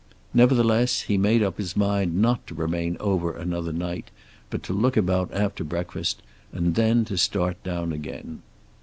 Nevertheless, he made up his mind not to remain over another night, but to look about after breakfast, and then to start down again.